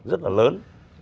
rất là lớn